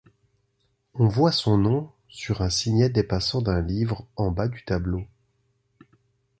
On voit son nom sur un signet dépassant d'un livre en bas du tableau.